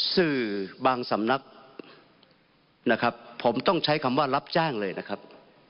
สื่อบางสำนักนะครับผมต้องใช้คำว่ารับจ้างเลยนะครับ